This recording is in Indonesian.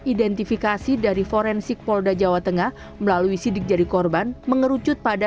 identifikasi dari forensik polda jawa tengah melalui sidik jari korban mengerucut pada